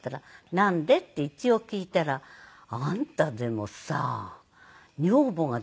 「なんで？」って一応聞いたら「あんたでもさ女房ができるんだ」